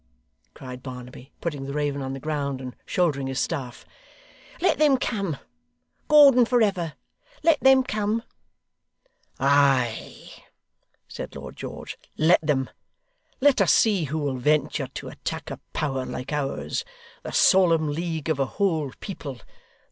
cried Barnaby, putting the raven on the ground, and shouldering his staff. 'Let them come! Gordon for ever! Let them come!' 'Ay!' said Lord George, 'let them! Let us see who will venture to attack a power like ours; the solemn league of a whole people.